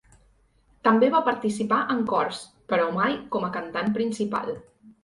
També va participar en cors, però mai com a cantant principal.